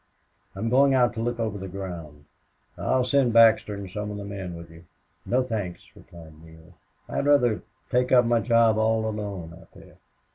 "I'm going out to look over the ground." "I'll send Baxter and some of the men with you." "No, thanks," replied Neale. "I'd rather take up my job all alone out there."